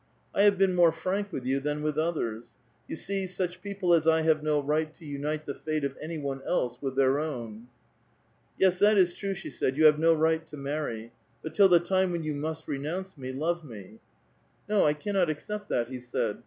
*' I have been more frank with you than with others. You see, such people as I have no right to unite the fate of any one else with their own." *'Yes, that is true," she said; "you have no right to marry. But till the time when you must renounce me, love me." " No, I cannot accept that," he said.